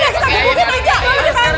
ya itu betul